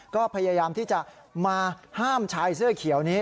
ก็พยายามที่จะมาห้ามชายเสื้อเขียวนี้